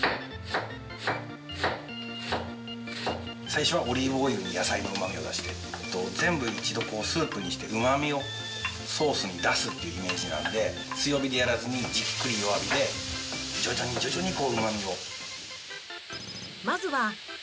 最初はオリーブオイルに野菜のうまみを出して全部一度スープにしてうまみをソースに出すっていうイメージなので強火でやらずにじっくり弱火で徐々に徐々にこううまみを。